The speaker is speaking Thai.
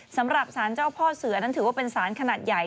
สำหรับสารเจ้าพ่อเสือนั้นถือว่าเป็นสารขนาดใหญ่